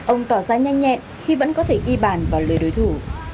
ông tỏ ra nhanh nhẹn khi vẫn có thể ghi bản vào lưới đối thủ